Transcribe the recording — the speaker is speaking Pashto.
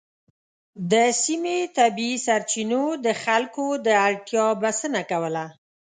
د سیمې طبیعي سرچینو د خلکو د اړتیا بسنه کوله.